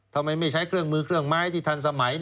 ทำไมไม่ใช้เครื่องมือเครื่องไม้ที่ทันสมัย